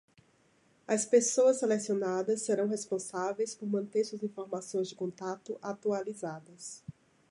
As pessoas selecionadas serão responsáveis por manter suas informações de contato atualizadas.